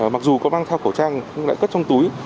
mặc dù có mang theo khẩu trang nhưng lại cất trong túi